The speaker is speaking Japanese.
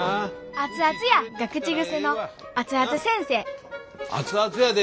「熱々や」が口癖の熱々先生熱々やで。